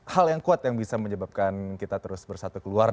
hal yang kuat yang bisa menyebabkan kita terus bersatu keluar